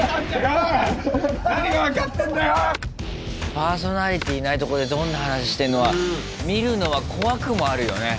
パーソナリティーいないとこでどんな話してんのか見るのが怖くもあるよね。